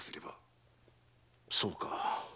そうか。